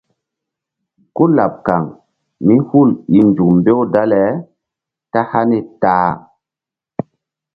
Kú laɓ kaŋ mí hul i nzuk mbew dale ta hani ta-a.